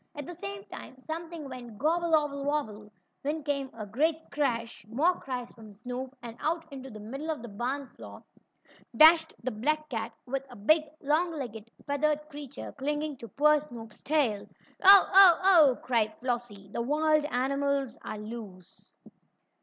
At the same time something went: "Gobble obblcobble!" Then came a great crash, more cries from Snoop and out into the middle of the barn floor dashed the black cat with a big, long legged, feathered creature clinging to poor Snoop's tail. "Oh! Oh! Oh!" cried Flossie. "The wild animals are loose!"